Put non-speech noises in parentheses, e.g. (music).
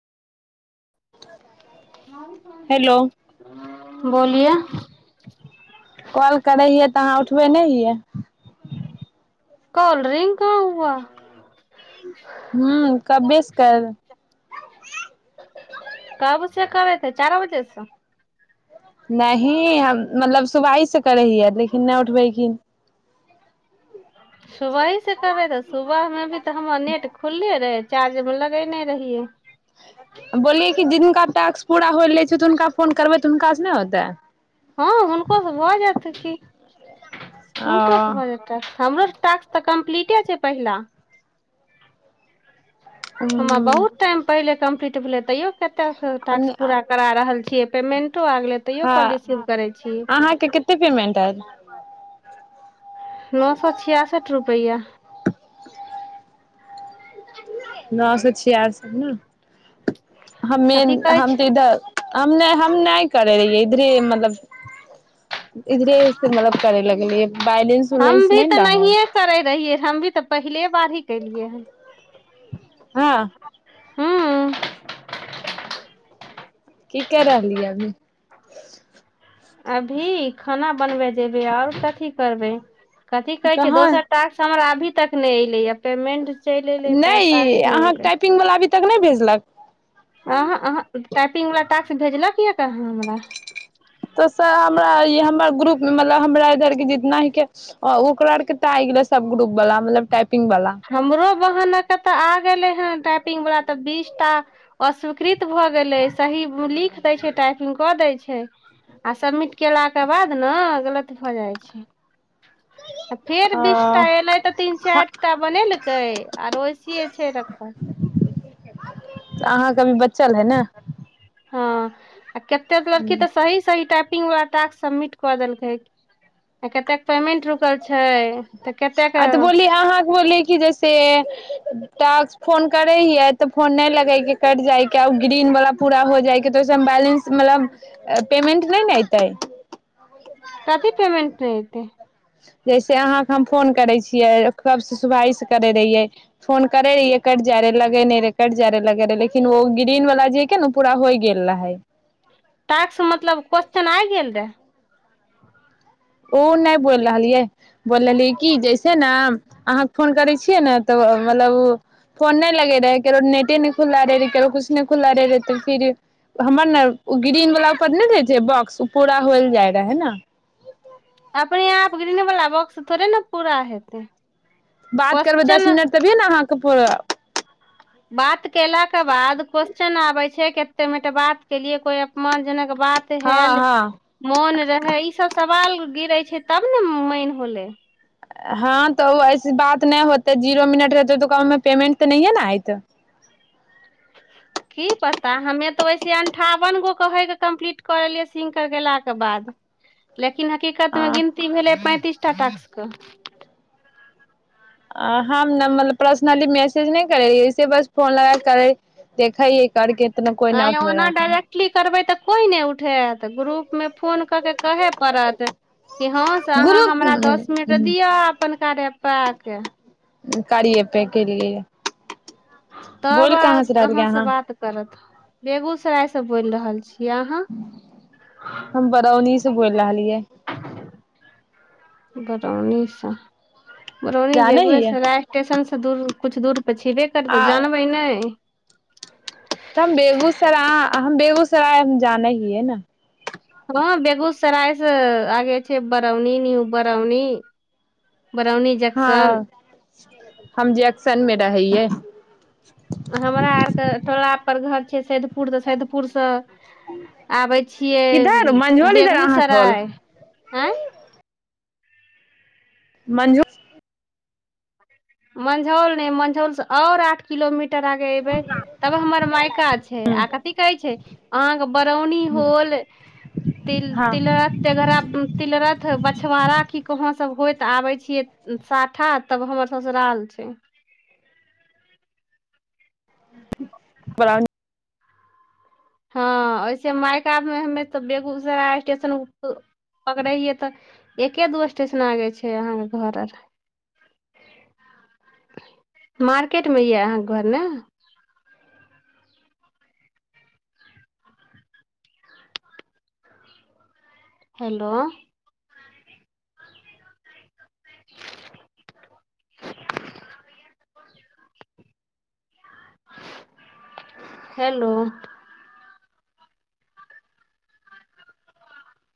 hello बोलिए ह नहि ही य कोल्ड्रिंक कहाँ हुआ ह कबे स कर कब छै कव छै चार बजे छै नहि हम मतलब सुबाइसँ करै हियै लेकिन नहि उठबैखिन सुबही से करबे तऽ सुबह मे भी तऽ हमर नेट खुलले रहै छै चार्ज लगे नहि रहियै बोलै कि जिनका टास्क पूरा हो लै छै तऽ हुनका फोन करबै तऽ हुनकासँ नहि होतै हँ हुनको से भऽ जयत की ओ हुनको से भऽ जेत हमरो टास्क तऽ कम्प्लीटे छै पहिला ह हूँ बहुत टाइम पहिले कम्प्लीट तैयौ कते टास्क पूरा करा रहल छै ठए पेमेन्ट हँ अहाँके कतेक पेमेंट आयत बर नओ सए छियासठ रुपआ नौ से छियासी न हमे कथी कहै हम तऽ छै इधर हम नहि हम नहि करै रहियै इधरे मतलब इधरे से मतलब करे लगलिय बइलेंस हम उलेंस भी नहि तऽ ने रहै नहिये करे रहियै हम भी तऽ पहिले बार ही केलियै हन हँ हू की कर रहलियै अभी अभी खाना बनबे जेबै ओर कथी करबै कथी कहै छै कहाँ दोसर टास्क हमर आभी तक नहि एलै य पेमेन्ट चलि नहि अहाँ के टाइपिंग वला भी तक नहि भेजलक आहा आहा टाइपिंग वला टास्क भेजलक है कहाँ हमरा तो स हमरा हमर ग्रुप मतलब हमरा इधर के जितना ह के ओकरा के तऽ आ गेले सब ग्रुप वाला मतलब टाइप पिंग बला हन कतऽ आ गेलै हन टाइपिंग वला तऽ बीस टा अस्वीकृत भऽ गेलै सही लिख दै छै टाइपिंग कऽ दै छै आ सबमिट केलाके बाद न गलत भऽ जाइ छै फेर बीस टा अ एयलै तऽ तीन चार कुत्ता बनेलकै आर ओऐसे छै रखल चल है ने हँ आ कतेक लड़की तऽ सही सही टाइप पिंग बला टास्क समिट क देलकै केतेक पेमेंट रुक्ल छै तऽ कतेक के की दय से टास्क फोन करे हियै तऽ फोन नहि लगे के कट जायके ग्रीन वाला पूरा हो जायके तऽ ओहिस बैलेंस मतलब पेमेंट नहि ने एतेय कथी पेमेंट रै ह जैसे अहाँके हम फोन करै छियै कबसे सुबाइसे करैत रहियै फोन करैत रहियै कटि जाइत रहै लगै नहि रहै कटि जाइ रहै लगैत रहै लेकिन ओ ग्रीनवला जे कि ने ओ पूरा होय गेल रहै टाक्स मतलब क्वस्चन आइ गेल रहे ओ नहि बोइल रहलियै बोल रहलियै कि जइसे ना अहाँके फोन करै छियै ने तऽ मतलब उ फोन नहि लगैत रहै केकरो नेटे नहि खुल्ला रहै रहै केकरो किछु नहि खुल्ला रहै रहै तऽ फिर हमर ने ओ ग्रीनवला ऊपर नहि रहै छै बॉक्स ओ पूरा होयल जाइ रहै ने अपने यहाँप ग्रीन वाला बॉक्स थोड़े ने पूरा हेतै बात करबै क्वेश्चन दस मिनट तभियए ने अहाँके पुरत बात केेला के बाद कोश्चन च ना आबे छै कते मिनट बात के लियै कोई अपमान जेनक बात हँ हेह हँ मौन रहै ई सब सब सवाल गिरै छै तब ने मैन होलै हँ तऽ ओ ऐसे बात नहि होतै जीरो मिनट रहतै उकामे पेमेंट तऽ नहिे ने आइत की पता हमे तऽ वैसे अंठावन गो कहेके कम्प्लीट करलियै सिं कर गेलाक के बाद लेकिन लेकिन हकीकत में गिनती भेलै पैंतीस टाट्के आ हम न मतलब पर्सनली मैसेज नहि करैहे ऐसे बस फोन लगाक कर देखेै करके इतना कोइ आँ नहि उठबे ओना रहथिन डायरेक्टली करबै तऽ कोइ नहि उठेत ग्रुपमे फोन कऽ के कहे पड़त कि हँ स अ आहाँ हमरा दस मिनट ग्रुप दिअ अपन कार्य प क कारिए पे केेलिये तब आ अहाँ से बात करत बेगूसराय से बोल रहल छी के आंहा बौइल लहलियै बऱौनी स बरौनी जानै हियै बेगूयेसराय स्टेशन स दूर कुछ दूर पछेबे आ करतै जानबै नै तऽ हम बेगूसराय हम बेगूसराय जानै हीयै न हँ बेगूस सरायस आगे छै बरौनी न्यू बरौनी बरौनी हँ जक्सन हम जैक्सन मे रहै यै हमरा आरके टोला पर घर छै सैदपुर तऽ सैदपुरसँ आबै छियै किधर मंझोल इधर अहाँ खोल बेगूसराय आँय मञ्जू मंझौल ने मंझौल से आर आठ किलोमीटर एबै तब हमर मायका छै आ कथी कह छै अहाँ के बरौनी होल तिल हाँ तिलरेघ तिलरथ मछवाड़ा की कहां सब होइत आबै छीयै साठा तब हमर ससुराल छै बरौ हँ उऐसे मायक आमे हमे तऽ बेगूसराय स्टेशन पकड़ै हियै तऽ एके दू स्टेशन आगै छै अहाँके घर आर मार्केटमे यै अहाँके घर ने हेलो (inaudible) हेलो